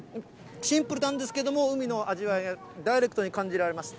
シンプルなんですけれども、海の味わいがダイレクトに感じられます。